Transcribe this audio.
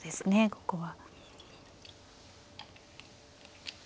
ここは。